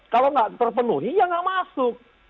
kalau tidak terpenuhi ya tidak masuk